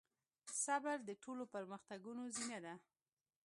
صبر د ټولو پرمختګونو زينه ده.